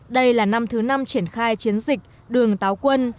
đây là năm thứ năm triển khai chiến dịch đường táo quân